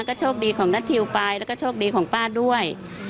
ก็โชคดีของนัททิวไปแล้วก็โชคดีของป้าด้วย